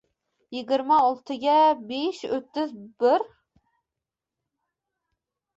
Yigirma oltiga besh — o‘ttiz bi